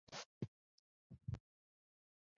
他是尾张国荒子城城主前田利春的三男。